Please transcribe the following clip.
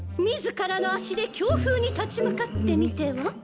自らの足で強風に立ち向かってみては？